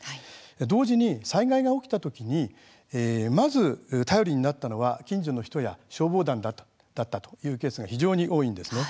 同時に、災害が起きた時にまず頼りになったのは近所の人や消防団だったというケースが非常に多いんですね。